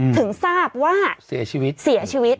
ถึงทราบว่าเสียชีวิต